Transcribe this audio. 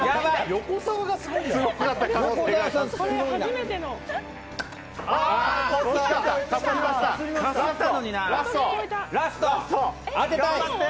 横澤がすごいんだよ。